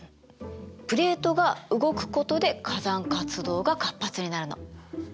プレートが動くことで火山活動が活発になるの。